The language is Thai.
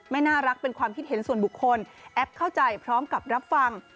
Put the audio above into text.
ไม่น่ารักเป็นความคิดเห็นส่วนบุคคลแอปเข้าใจพร้อมกับรับฟัง